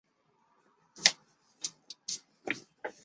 埃尔芒附近圣日耳曼人口变化图示